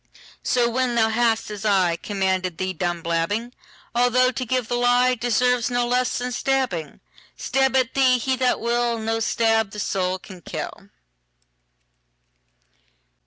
So when thou hast, as ICommanded thee, done blabbing,—Although to give the lieDeserves no less than stabbing,—Stab at thee he that will, No stab the soul can kill.